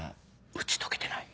打ち解けてない？